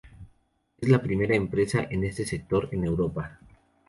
Es la primera empresa en este sector en Europa.